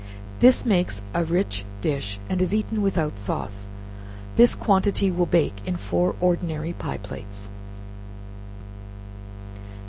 This makes a rich dish and is eaten without sauce. This quantity will bake in four ordinary pie plates.